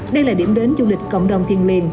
đây là điểm đến du lịch cộng đồng thiền miền